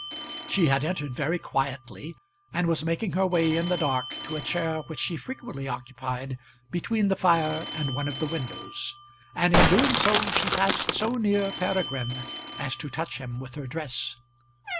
She had entered very quietly, and was making her way in the dark to a chair which she frequently occupied, between the fire and one of the windows, and in doing so she passed so near Peregrine as to touch him with her dress.